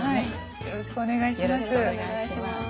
よろしくお願いします。